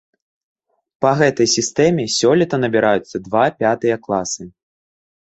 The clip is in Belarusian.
Па гэтай сістэме сёлета набіраюцца два пятыя класы.